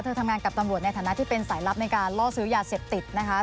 ทำงานกับตำรวจในฐานะที่เป็นสายลับในการล่อซื้อยาเสพติดนะคะ